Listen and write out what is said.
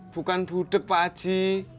bukan budak pak ji